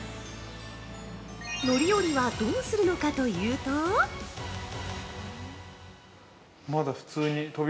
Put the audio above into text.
乗り降りはどうするのかというと◆まだ普通に扉。